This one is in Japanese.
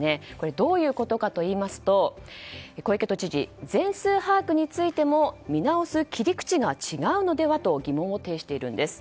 どういうことかといいますと小池都知事全数把握についても見直す切り口が違うのではと疑問を呈しているんです。